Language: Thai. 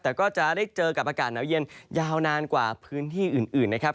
แต่ก็จะได้เจอกับอากาศหนาวเย็นยาวนานกว่าพื้นที่อื่นนะครับ